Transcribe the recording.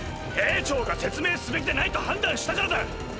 兵長が説明すべきでないと判断したからだ！